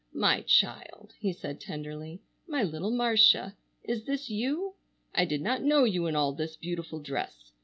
"My child!" he said tenderly, "my little Marcia, is this you? I did not know you in all this beautiful dress.